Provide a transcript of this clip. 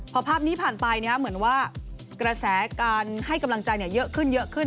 พอภาพนี้ผ่านไปเหมือนว่ากระแสการให้กำลังใจเยอะขึ้นเยอะขึ้น